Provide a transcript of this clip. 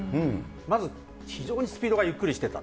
まず、非常にスピードがゆっくりしてた。